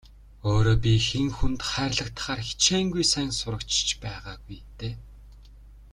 Өөрөө би хэн хүнд хайрлагдахаар хичээнгүй сайн сурагч ч байгаагүй дээ.